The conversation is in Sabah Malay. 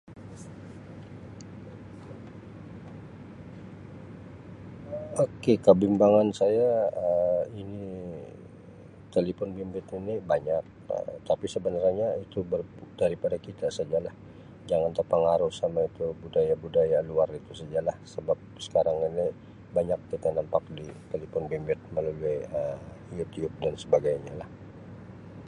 Okay kebimbangan saya Um ini talipon bimbit ini banyak Um tapi sebenarnya itu ber-daripada kita sajalah jangan terpengaruh sama itu budaya-budaya luar itu sajalah sebab sekarang ini banyak kita nampak di telepon bimbit melalui Um YouTube dan sebagainya lah.